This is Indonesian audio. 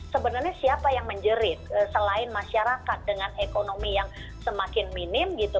sebenarnya siapa yang menjerit selain masyarakat dengan ekonomi yang semakin minim gitu